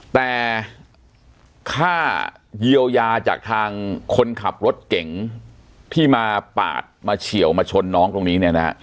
แต่ค่าเยียวยาจากทางคนขับรถเก่งที่มาปาดมาเฉียวมาชนน้องตรงนี้เนี่ยนะฮะ